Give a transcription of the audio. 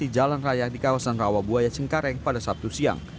di jalan raya di kawasan rawabuaya cengkareng pada sabtu siang